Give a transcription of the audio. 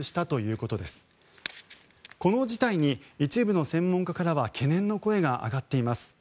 この事態に、一部の専門家からは懸念の声が上がっています。